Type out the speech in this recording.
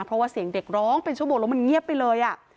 เพราะว่าเสียงเด็กร้องเป็นชั่วโมงแล้วมันเงียบไปเลย